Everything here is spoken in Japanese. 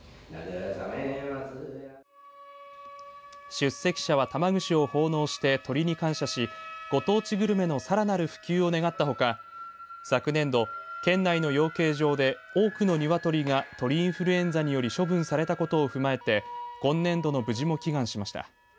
出席者は玉串を奉納して鶏に感謝しご当地グルメのさらなる普及を願ったほか昨年度県内の養鶏場で多くの鶏が鳥インフルエンザにより処分されたことを踏まえて今年度の無事も祈願しました。